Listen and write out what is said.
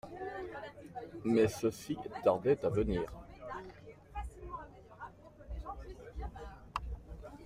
Mais ceux-ci tardaient à venir